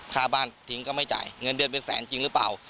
ค่าบ้านทิ้งก็ไม่จ่ายเงินเดือนเป็นแสนจริงหรือเปล่า